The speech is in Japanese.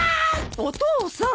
お父さん！